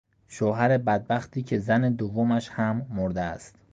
شوهر بدبختی که زن دومش هم مرده است